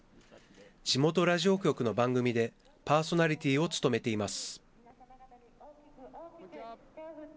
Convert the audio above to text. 地元ラジオ局の番組でパーソナリティーを務めています。